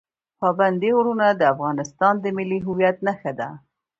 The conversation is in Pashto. پابندی غرونه د افغانستان د ملي هویت نښه ده.